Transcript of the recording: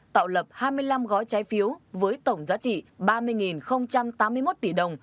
tạo lập hai mươi năm gói trái phiếu với tổng giá trị ba mươi tám mươi một tỷ đồng